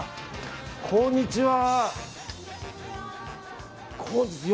こんにちは。